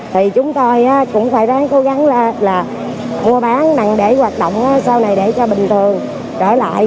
thì chúng tôi cũng phải cố gắng là mua bán nặng để hoạt động sau này để cho bình thường trở lại